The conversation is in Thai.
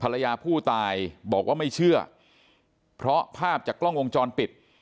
ภรรยาผู้ตายบอกว่าไม่เชื่อเพราะภาพจากกล้องวงจรปิด